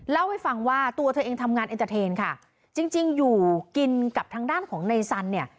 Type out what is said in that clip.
เล่าให้ฟังว่าตัวเธอเองทำงานเอ็นเตอร์เทนค่ะจริงจริงอยู่กินกับทางด้านของนายสันเนี่ย